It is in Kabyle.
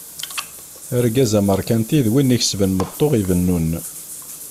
Argaz ameṛkanti d win ikesben meṭṭu ibennun.